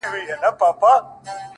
که آرام غواړې ـ د ژوند احترام وکړه ـ